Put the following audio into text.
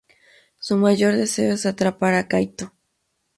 Su mayor deseo es atrapar a Kaito.